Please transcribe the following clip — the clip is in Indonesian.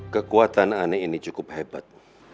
kekuatan aneh ini cukup hebat